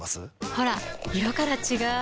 ほら色から違う！